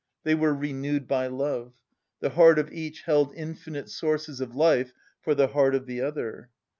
They were renewed by love; the heart of each held infinite sources of life for the heart of the other.